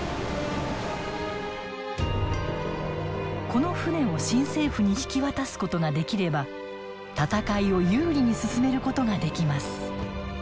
この船を新政府に引き渡すことができれば戦いを有利に進めることができます。